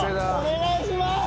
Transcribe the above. お願いします！